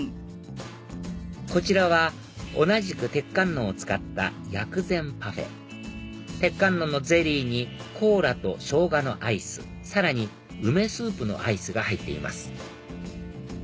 こちらは同じく鉄観音を使った薬膳パフェ鉄観音のゼリーにコーラとショウガのアイスさらに梅スープのアイスが入っています